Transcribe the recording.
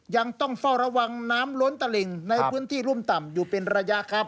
ยังต้องเฝ้าระวังน้ำล้นตลิ่งในพื้นที่รุ่มต่ำอยู่เป็นระยะครับ